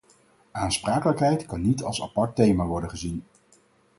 Aansprakelijkheid kan niet als apart thema worden gezien.